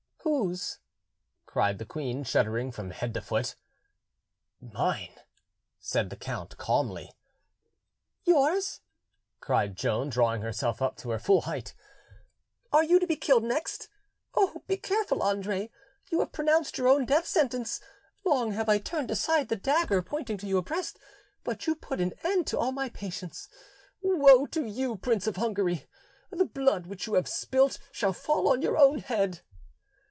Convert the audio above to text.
"Whose?" cried the queen, shuddering from head to foot. "Mine," said the count calmly. "Yours!" cried Joan, drawing herself up to her full height; "are you to be killed next! Oh, be careful, Andre; you have pronounced your own death sentence. Long have I turned aside the dagger pointing to your breast, but you put an end to all my patience. Woe to you, Prince of Hungary! the blood which you have spilt shall fall on your own head."